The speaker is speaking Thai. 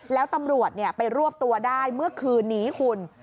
แล้วตำรวจไปรวบตัวได้เมื่อคืนนี้คุณ